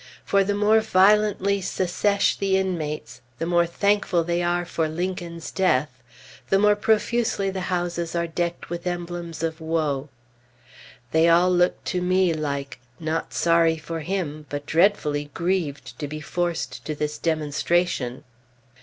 For the more violently "Secesh" the inmates, the more thankful they are for Lincoln's death, the more profusely the houses are decked with the emblems of woe. They all look to me like "not sorry for him, but dreadfully grieved to be forced to this demonstration."